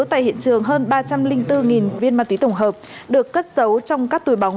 tại hiện trường hơn ba trăm linh bốn viên ma túy tổng hợp được cất giấu trong các túi bóng